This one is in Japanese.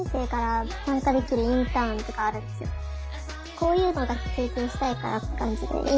こういうのが経験したいからって感じでハハハハハ！